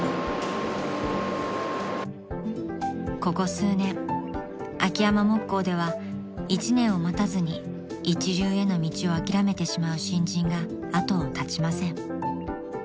［ここ数年秋山木工では１年を待たずに一流への道を諦めてしまう新人が後を絶ちません］